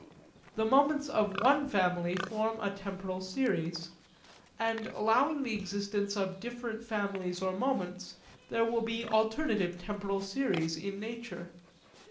The moments of one family form a temporal series; and, allowing the existence of different families of moments, there will be alternative temporal series in nature.